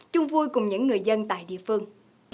chung vui cùng những người dân tại địa phương